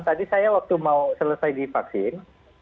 tadi saya waktu mau selesai divaksin